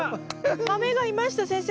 マメがいました先生。